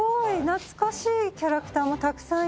懐かしいキャラクターがたくさんいますね。